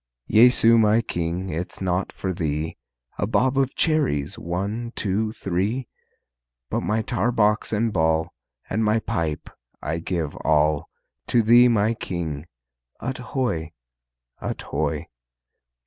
Jesu my King, it's naught for Thee, A bob of cherries, one, two, three, But my tar box and ball, And my pipe, I give all To Thee, my King. Ut hoy! Ut hoy!